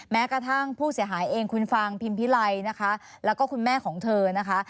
แม้กระทั่งผู้เสียหายเองคุณฟางพิมพิไลนะคะแล้วก็คุณแม่ของเธอนะคะ